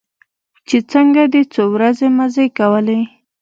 چې څنگه دې څو ورځې مزې کولې.